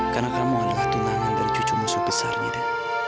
karena kamu aluhah tunangan dari cucu musuh besarnya de